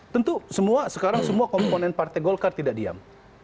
tentu semua sekarang semua komponen partai golkar tidak diam